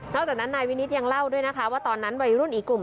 จากนั้นนายวินิตยังเล่าด้วยนะคะว่าตอนนั้นวัยรุ่นอีกกลุ่ม